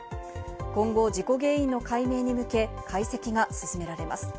今後、事故原因の解明に向け解析が進められます。